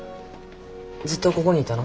ずっとこごにいたの？